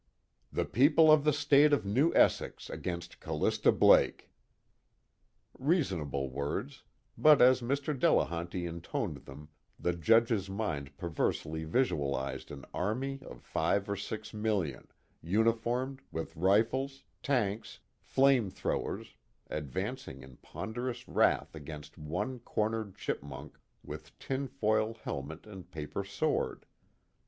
"The People of the State of New Essex against Callista Blake." Reasonable words; but as Mr. Delehanty intoned them, the Judge's mind perversely visualized an army of five or six million, uniformed, with rifles, tanks, flame throwers, advancing in ponderous wrath against one cornered chipmunk with tinfoil helmet and paper sword.